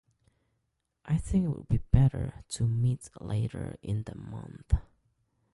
I think it would be better to meet later in the month.